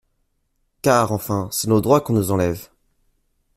Car enfin c'est nos droits qu'on nous enlève!